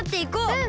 うん！